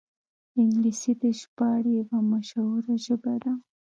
انګلیسي د ژباړې یوه مشهوره ژبه ده